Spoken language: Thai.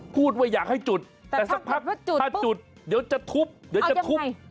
พูดว่าอยากให้จุดแต่สักพักถ้าจุดเดี๋ยวจะทุบเดี๋ยวจะทุบ